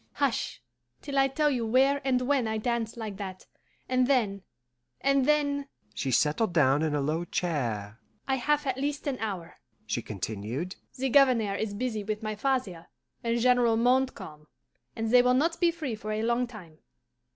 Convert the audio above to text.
"Hush, till I tell you where and when I danced like that, and then, and then " She settled down in a low chair. "I have at least an hour," she continued. "The Governor is busy with my father and General Montcalm, and they will not be free for a long time.